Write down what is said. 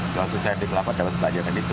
kalau susah di kelapa coba pelajarkan itu